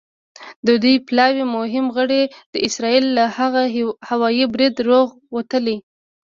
د دوی د پلاوي مهم غړي د اسرائیل له هغه هوايي بریده روغ وتلي.